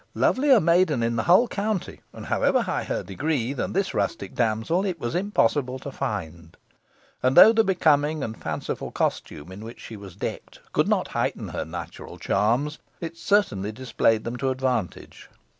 Lovelier maiden in the whole county, and however high her degree, than this rustic damsel, it was impossible to find; and though the becoming and fanciful costume in which she was decked could not heighten her natural charms, it certainly displayed them to advantage.